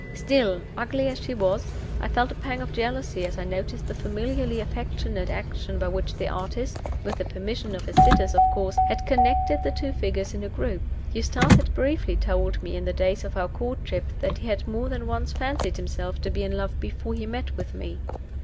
Still, ugly as she was, I felt a pang of jealousy as I noticed the familiarly affectionate action by which the artist (with the permission of his sitters, of course) had connected the two figures in a group. Eustace had briefly told me, in the days of our courtship, that he had more than once fancied himself to be in love before he met with me.